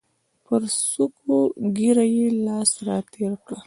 پر څوکړه ږیره یې لاس را تېر کړ.